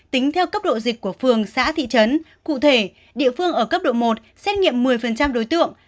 tính theo cấp độ dịch của phường xã thị trấn cụ thể địa phương ở cấp độ một xét nghiệm một mươi đối tượng